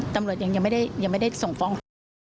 ตำรวจยังไม่ได้ส่งฟ้องศาล